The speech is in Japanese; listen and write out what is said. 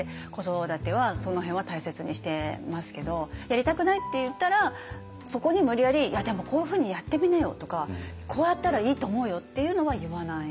「やりたくない」って言ったらそこに無理やり「いやでもこういうふうにやってみなよ」とか「こうやったらいいと思うよ」っていうのは言わない。